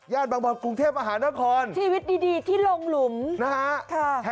บางบอลกรุงเทพมหานครชีวิตดีที่ลงหลุมนะฮะค่ะ